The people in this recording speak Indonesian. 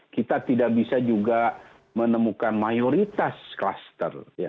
kita tidak bisa juga menemukan mayoritas kluster